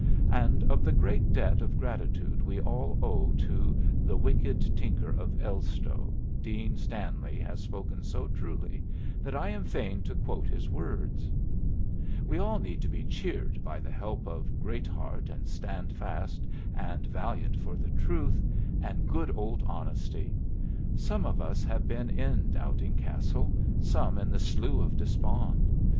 And of the great debt of gratitude we all owe to "the wicked tinker of Elstow" Dean Stanley has spoken so truly that I am fain to quote his words: "We all need to be cheered by the help of Greatheart and Standfast and Valiant for the Truth, and good old Honesty! Some of us have been in Doubting Castle, some in the Slough of Despond.